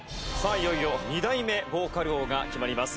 いよいよ２代目ヴォーカル王が決まります。